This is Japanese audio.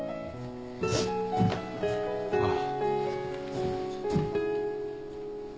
ああ。